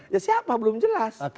ya siapa belum jelas